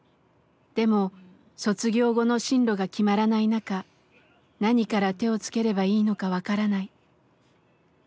でも卒業後の進路が決まらない中何から手を付ければいいのか分からない。